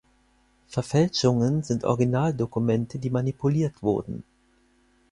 Verfälschungen sind Originaldokumente, die manipuliert wurden.